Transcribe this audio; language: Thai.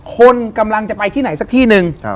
คนกำลังจะไปที่ไหนสักที่หนึ่ง